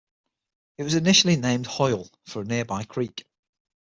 It was initially named Hoyle, for a nearby creek.